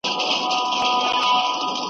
ستا په تور نصیب ختلې شپه یمه تېرېږمه .